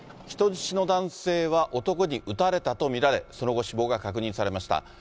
人質の男性は男に撃たれたと見られ、その後、死亡が確認されました。